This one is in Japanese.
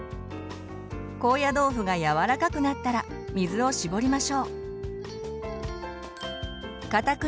高野豆腐が柔らかくなったら水を絞りましょう。